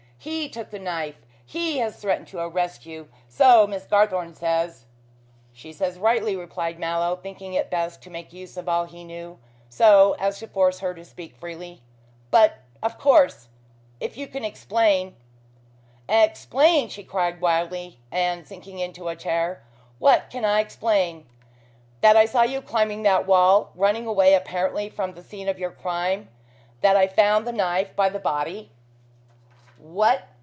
He took the knife. He has threatened to arrest you, so Miss Garthorne says." "She says rightly," replied Mallow, thinking it best to make use of all he knew, so as to force her to speak freely. "But of course, if you can explain " "Explain!" she cried wildly and sinking into a chair. "What can I explain? That I saw you climbing that wall, running away apparently from the scene of your crime. That I found the knife by the body?" "What!"